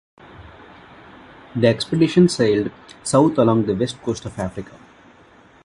The expedition sailed south along the west coast of Africa.